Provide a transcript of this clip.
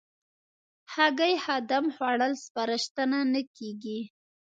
هګۍ خام خوړل سپارښتنه نه کېږي.